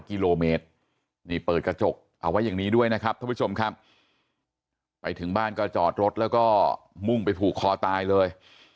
กิโลเมตรนี่เปิดกระจกเอาไว้อย่างนี้ด้วยนะครับท่านผู้ชมครับไปถึงบ้านก็จอดรถแล้วก็มุ่งไปผูกคอตายเลย